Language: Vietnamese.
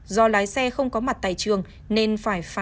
do lái xe không có mặt tại trường nên phải phá